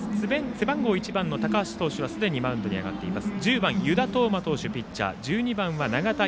背番号１番の高橋投手はすでにマウンドに上がっています。